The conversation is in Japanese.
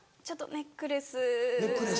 ネックレス？